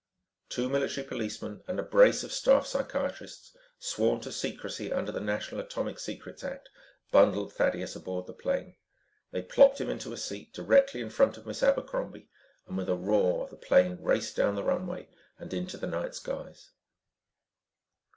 Two military policemen and a brace of staff psychiatrists sworn to secrecy under the National Atomic Secrets Act, bundled Thaddeus aboard the plane. They plopped him into a seat directly in front of Miss Abercrombie and with a roar, the plane raced down the runway and into the night skies.